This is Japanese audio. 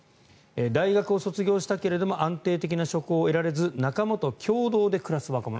大学を卒業したけれども安定的な職を得られず仲間と共同で暮らす若者。